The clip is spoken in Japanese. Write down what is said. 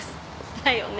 だよね。